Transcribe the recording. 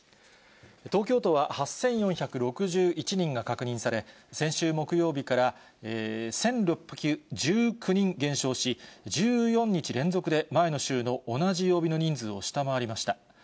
東京都は８４６１人が確認され、先週木曜日から１６１９人減少し、１４日連続で、前の週の同じ曜日の人数を下回りました。